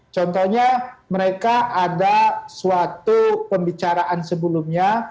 contohnya mereka ada suatu pembicaraan sebelumnya